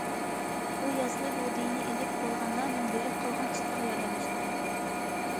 ئۇ يازغى بۇغدىيىنى ئېلىپ بولغاندا، مەن بېرىپ قالغان ئىشلىرىغا ياردەملىشىمەن.